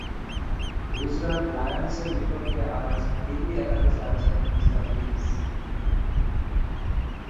একদিনের আন্তর্জাতিক ম্যাচে এশিয়া কাপ ক্রিকেটে বাংলাদেশের প্রতিপক্ষ ছিল পাকিস্তান।